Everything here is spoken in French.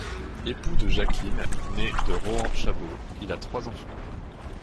Époux de Jacqueline, née de Rohan-Chabot, il a trois enfants.